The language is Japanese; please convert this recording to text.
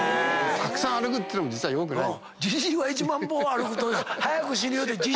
たくさん歩くっつうのも実は良くないよ。